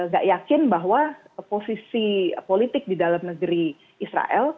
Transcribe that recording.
gak yakin bahwa posisi politik di dalam negeri israel